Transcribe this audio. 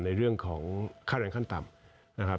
ในเรื่องของค่าแรงขั้นต่ำ